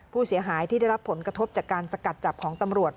ผู้เสียหายที่ได้รับผลกระทบจากการสกัดจับของตำรวจ